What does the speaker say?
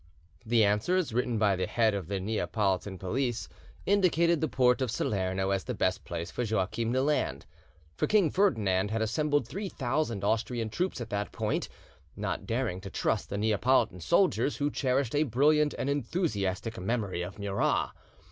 The answers, written by the head of the Neapolitan police, indicated the port of Salerno as the best place for Joachim to land; for King Ferdinand had assembled three thousand Austrian troops at that point, not daring to trust the Neapolitan soldiers, who cherished a brilliant and enthusiastic memory of Murat.